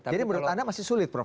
jadi menurut anda masih sulit prof